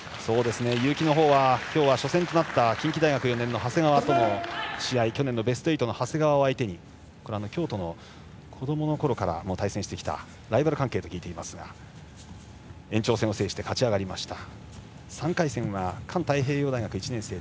結城のほうは今日は初戦となった近畿大学４年の長谷川との試合去年のベスト８の長谷川を相手に京都の、子どものころから対戦してきたライバル関係と聞いていますが延長戦を制して勝ち上がりました。